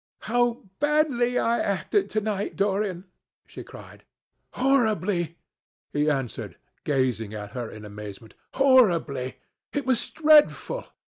"How badly I acted to night, Dorian!" she cried. "Horribly!" he answered, gazing at her in amazement. "Horribly! It was dreadful.